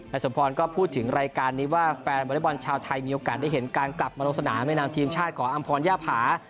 และสมพรรณก็พูดถึงรายการนี้ว่าแฟนบริบันชาวไทยมีโอกาสได้เห็นการกลับมาลงสนามให้นางทีมชาติก่ออำพรงศ์ย่าผา